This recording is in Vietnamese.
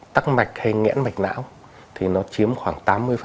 tắc mạch hay ngẽn mạch não thì nó chiếm khoảng tám mươi